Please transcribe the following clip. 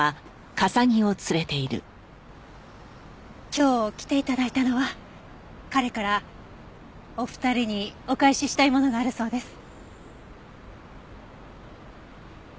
今日来て頂いたのは彼からお二人にお返ししたいものがあるそうです。